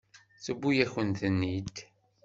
Tewwi-yakent-ten-id.